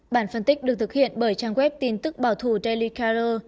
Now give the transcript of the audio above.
bản phân tích được thực hiện bởi trang web tin tức bảo thủ daily caller